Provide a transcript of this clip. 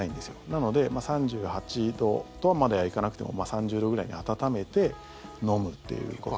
なので３８度とまでは行かなくても３０度くらいに温めて飲むということ。